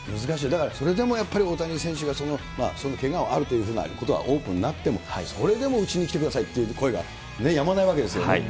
だからそれでもやっぱり大谷選手がけががあるというふうなことがオープンになっても、それでもうちに来てくださいっていう声がね、やまないわけですよね。